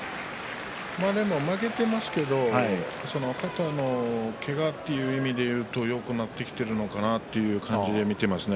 でも負けていますけど肩のけがという意味で見るとよくなってきているのかなという感じで見ていますね。